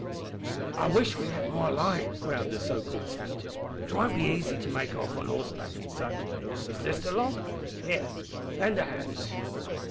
"I wish we had more light," growled the so called captain; "it won't be easy to make off on horseback in such is this the log? Here, lend a hand."